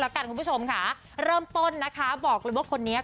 แล้วกันคุณผู้ชมค่ะเริ่มต้นนะคะบอกเลยว่าคนนี้